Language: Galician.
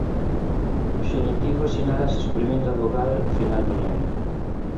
O xenitivo sinálase suprimindo a vogal final do nome.